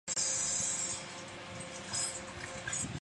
最大的激酶族群是蛋白激酶。